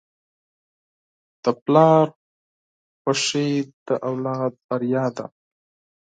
د پلار خوښي د اولاد بریا ده.